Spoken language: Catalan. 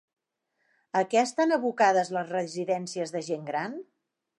A què estan abocades les residències de gent gran?